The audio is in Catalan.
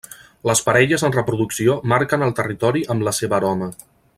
Les parelles en reproducció marquen el territori amb la seva aroma.